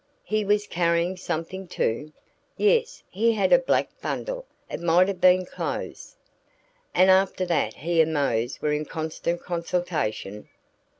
"He was carrying something too?" "Yes, he had a black bundle it might have been clothes." "And after that he and Mose were in constant consultation?"